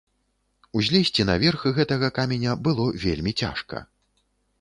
Узлезці на верх гэтага каменя было вельмі цяжка.